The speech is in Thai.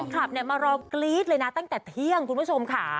ขับมารอกรี๊ดเลยนะตั้งแต่เที่ยงคุณผู้ชมค่ะ